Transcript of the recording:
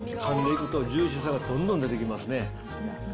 食感もすごいのと、あと、噛んでいくとジューシーさがどんどん出てきますね。